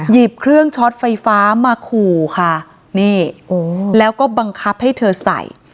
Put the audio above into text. หยิบเครื่องช็อตไฟฟ้ามาขู่ค่ะนี่แล้วก็บังคับให้เธอใส่